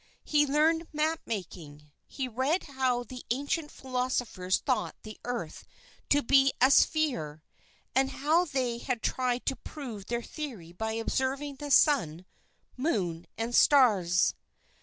He learned map making. He read how the ancient philosophers thought the Earth to be a sphere and how they had tried to prove their theory by observing the sun, moon, and stars.